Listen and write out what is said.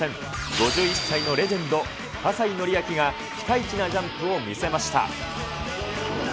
５１歳のレジェンド、葛西紀明が、ピカイチなジャンプを見せました。